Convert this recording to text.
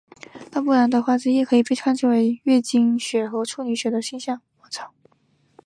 奥布朗的花汁液可以被看做是月经血或处女血的象征。